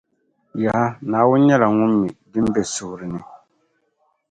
Yaha! Naawuni nyɛla Ŋun mi din be suhiri ni